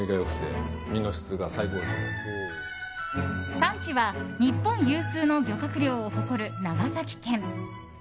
産地は日本有数の漁獲量を誇る長崎県。